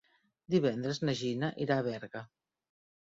Divendres na Gina irà a Berga.